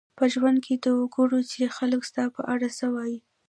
په ژوند کښي دا وګوره، چي خلک ستا په اړه څه وايي.